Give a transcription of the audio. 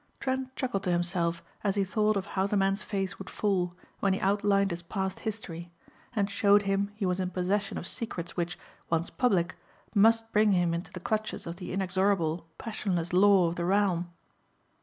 Trent chuckled to himself as he thought of how the man's face would fall when he outlined his past history and showed him he was in possession of secrets which, once public, must bring him into the clutches of the inexorable, passionless law of the realm.